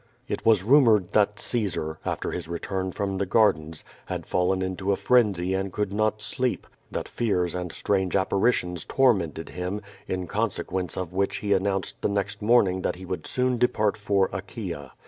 It was rumored that Caesar^ after his return from the gar 462 Q^O YADI8. dens, had fallen into a frenzy and could not sleep, that fears and strange apparitions tormented him, in consequence of which he announced the next morning that he would soon de part for Achaea.